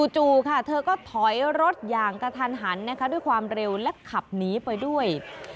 จู่ค่ะเธอก็ถอยรถอย่างกระทันหันนะคะด้วยความเร็วและขับหนีไปด้วย